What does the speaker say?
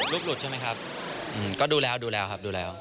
รูปหลุดใช่ไหมครับก็ดูแล้วครับดูแล้ว